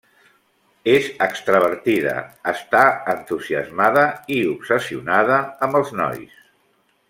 És extravertida, està entusiasmada i obsessionada amb els nois.